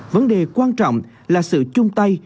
vấn đề quan trọng là sự chung tay